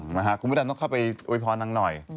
มาค่ะคุณผู้ชายต้องเข้าไปอวยพรนังหน่อย